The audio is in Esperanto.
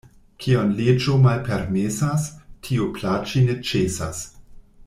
Kion leĝo malpermesas, tio plaĉi ne ĉesas.